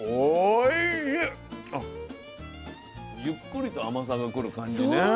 ゆっくりと甘さがくる感じね。